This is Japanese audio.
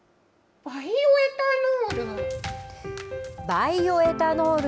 バイオエタノール。